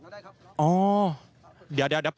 ด้านหลังก็ได้ครับ